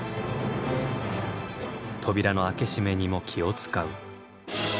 扉の開け閉めにも気を遣う。